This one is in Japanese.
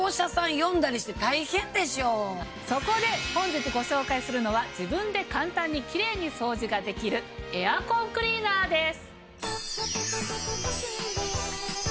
そこで本日ご紹介するのは自分で簡単にキレイに掃除ができるエアコンクリーナーです。